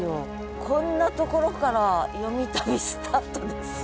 こんなところから「よみ旅」スタートですよ。